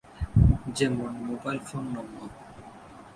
যেমন মোবাইল ফোনম্বর